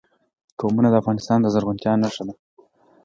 قومونه د افغانستان د زرغونتیا نښه ده.